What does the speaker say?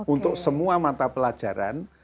untuk semua mata pelajaran